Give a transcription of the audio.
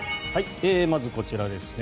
まず、こちらですね。